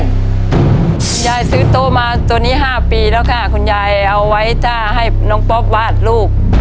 ยายซื้อโต๊ะมาตัวนี้๕ปีแล้วค่ะคุณยายเอาไว้จ้าให้น้องป๊อปวาดลูก